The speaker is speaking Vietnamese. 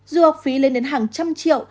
dù học phí lên đến hàng trăm triệu